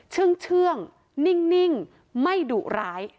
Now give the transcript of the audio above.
เชื่องนิ่งไม่ดุร้าย